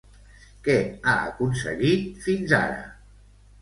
Què ha aconseguit, fins ara?